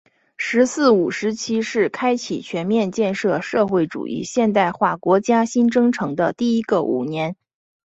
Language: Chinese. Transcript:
“十四五”时期是开启全面建设社会主义现代化国家新征程的第一个五年。